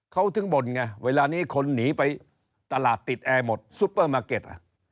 เขาถึงบ่นไงเวลานี้คนหนีไปตลาดติดแอร์หมดซุปเปอร์มาร์เก็ต